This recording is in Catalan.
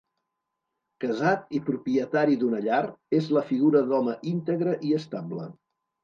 Casat i propietari d'una llar, és la figura d'home íntegre i estable.